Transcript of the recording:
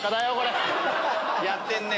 やってんね。